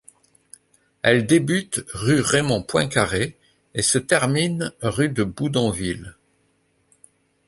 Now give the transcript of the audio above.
Elle débute rue Raymond-Poincaré et se termine rue de Boudonville.